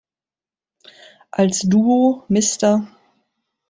Als Duo "Mr.